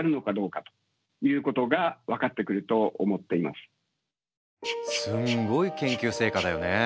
すんごい研究成果だよね。